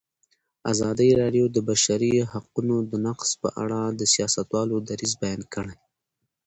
ازادي راډیو د د بشري حقونو نقض په اړه د سیاستوالو دریځ بیان کړی.